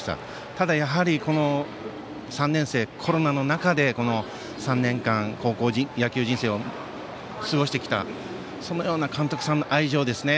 ただ、３年生はコロナの中でこの３年間高校野球人生を過ごしてきた、そのような監督さんの愛情ですね。